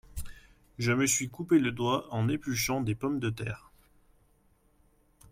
Je me suis coupé le doigt en épluchant des pommes-de-terre.